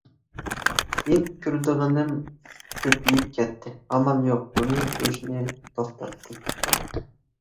كېيىن كۆرىدىغىنىم كۆپىيىپ كەتتى، ئامال يوق بۇنى كۆرۈشنى توختاتتىم.